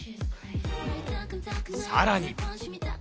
さらに。